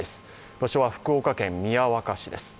場所は福岡県宮若市です。